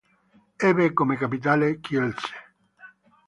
Ebbe come capitale Kielce.